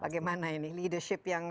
bagaimana ini leadership yang